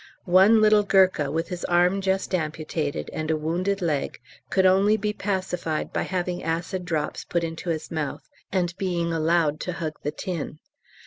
One little Gurkha with his arm just amputated, and a wounded leg, could only be pacified by having acid drops put into his mouth and being allowed to hug the tin.